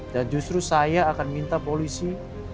dan justru saya akan minta polisi